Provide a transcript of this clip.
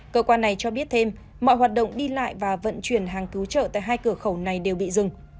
cơ quan này cho biết thêm mọi hoạt động đi lại và vận chuyển hàng cứu trợ tại hai cửa khẩu này đều bị dừng